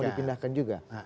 tidak mau dipindahkan juga